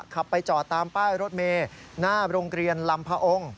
ขับไปจอดตามป้ายรถเมย์หน้าโรงเรียนลำพระองค์